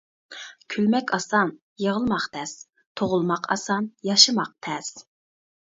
كۈلمەك ئاسان، -يىغلىماق تەس، تۇغۇلماق ئاسان، -ياشىماق تەس.